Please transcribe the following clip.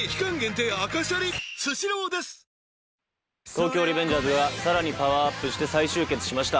『東京リベンジャーズ』がさらにパワーアップして再集結しました。